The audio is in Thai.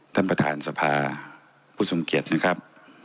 ท่านประธานสภาผู้ทรงเกียจนะครับ